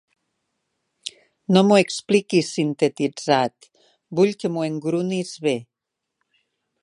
No m'ho expliquis sintetitzat, vull que m'ho engrunis bé.